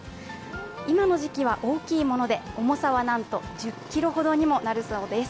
今の時期は大きいもので重さはなんと１０ｋｇほどになるそうです。